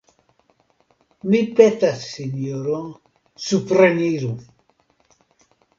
Mi petas, sinjoro: supreniru!